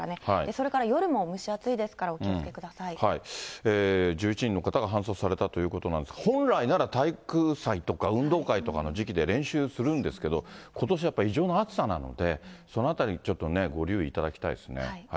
それから夜も蒸し暑いですから、１１人の方が搬送されたということなんですが、本来なら体育祭とか、運動会とかの時期で、練習するんですけど、ことしやっぱり異常な暑さなので、そのあたりにちょっと、ご留意いただきたいですね。